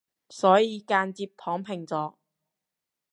所以間接躺平咗